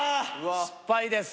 失敗です。